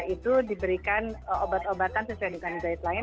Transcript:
itu diberikan obat obatan sesuai dengan guideline